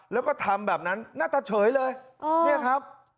แล้วก็ทำแบบนั้นหน้าตาเฉยเลยเนี่ยครับ